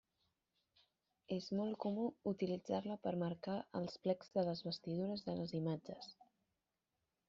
És molt comú utilitzar-la per marcar els plecs de les vestidures de les imatges.